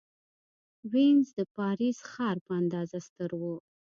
وینز د پاریس ښار په اندازه ستر و.